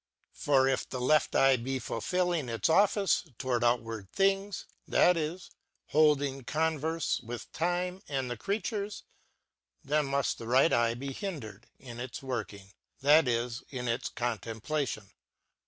For if the left eye be fulfilling its office toward outward things; that is, hold ing converfe with time and the crea^ tures ; then muft the right eye be hin w*^^ ters " Theologia Germanica. 21 dered in its working; that is, in its contemplation.